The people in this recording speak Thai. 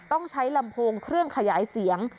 ต้องใช้ลำโพงเครื่องขยายเสียง